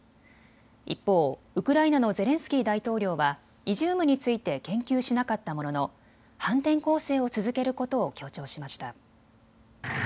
一方、ウクライナのゼレンスキー大統領はイジュームについて言及しなかったものの反転攻勢を続けることを強調しました。